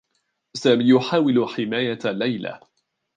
سامي يحاول حماية ليلى.